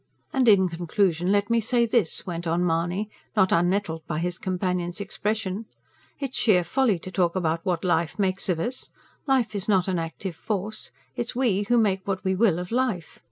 "And in conclusion let me say this," went on Mahony, not unnettled by his companion's expression. "It's sheer folly to talk about what life makes of us. Life is not an active force. It's we who make what we will, of life.